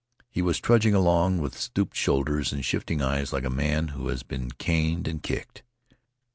He was trudging along with stooped shoulders and shifting eyes like a man who has been caned and kicked.